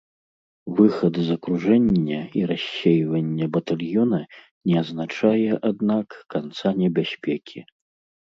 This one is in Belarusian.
Выхад з акружэння і рассейванне батальёна не азначае, аднак, канца небяспекі.